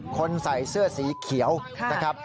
คนใส่เสื้อสีเขียวนะครับ